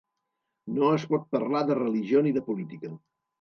No es pot parlar de religió ni de política.